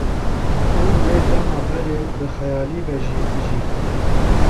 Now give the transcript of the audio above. û wê dema berê bi xeyalî be jî bijîn